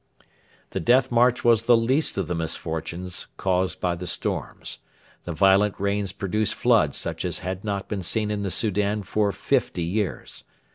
The 'Death March' was the least of the misfortunes caused by the storms. The violent rains produced floods such as had not been seen in the Soudan for fifty years.